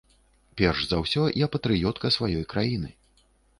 Перш за ўсё я патрыётка сваёй краіны.